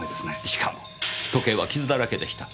しかも時計は傷だらけでした。